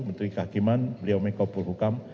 menteri kehakiman beliau menko pulhukam